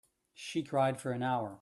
She cried for an hour.